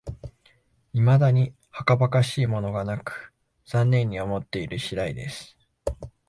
いまだにはかばかしいものがなく、残念に思っている次第です